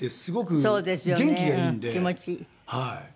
はい。